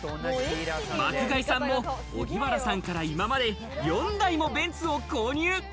爆買いさんも荻原さんから今まで４台もベンツを購入。